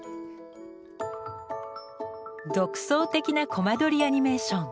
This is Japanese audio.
独創的なコマ撮りアニメーション。